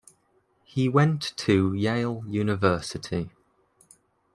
He went to Yale University.